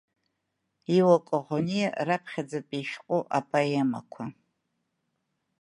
Иуа Коӷониа раԥхьаӡатәи ишәҟәы Апоемақәа.